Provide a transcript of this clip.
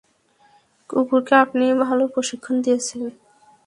কুকুরকে আপনি ভালো প্রশিক্ষণ দিয়েছেন।